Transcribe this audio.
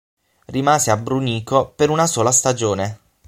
Rimase a Brunico per una sola stagione.